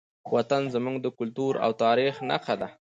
وطن زموږ د کلتور او تاریخ نښه ده.